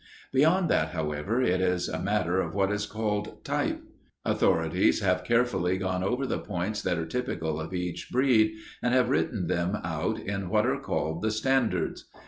Beyond that, however, it is a matter of what is called type. Authorities have carefully gone over the points that are typical of each breed and have written them out in what are called the standards.